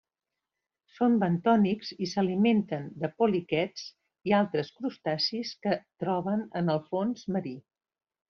Són bentònics i s'alimenten de poliquets i altres crustacis que troben en el fons marí.